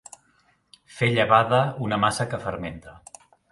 Fer llevada una massa que fermenta.